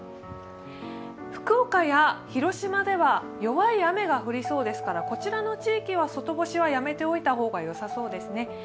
福岡や広島では弱い雨が降りそうですからこちらの地域は外干しはやめておいた方がよさそうですね。